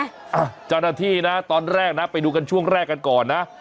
เจ้าหน้าที่นะตอนแรกนะไปดูกันช่วงแรกกันก่อนนะ